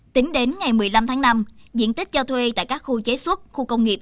tính đến ngày một mươi năm tháng năm diện tích cho thuê tại các khu chế xuất khu công nghiệp